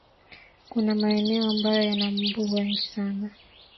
kuna maeneo ambayo yana mbu wengi sana